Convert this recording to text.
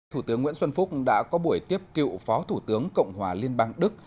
thủ tướng nguyễn xuân phúc đã có buổi tiếp cựu phó thủ tướng cộng hòa liên bang đức